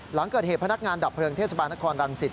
หลังเกิดเหตุพนักงานดับเพลิงเทศบาลนครรังสิต